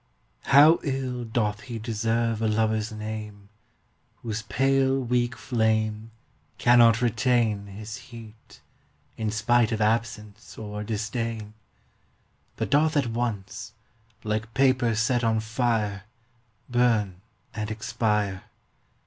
HOW ill doth lie deserve a Lover's name Whose pale weak flame Cannot retain His heat, in spite of absence or disdain ; But doth at once, like paper set on fire, Burn and expire